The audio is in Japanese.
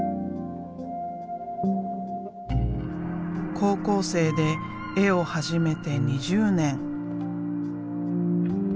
高校生で絵を始めて２０年。